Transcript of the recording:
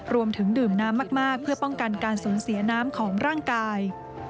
รวมถึงดื่มน้ำมากเพื่อป้องกันการสูญเสียน้ำของร่างกาย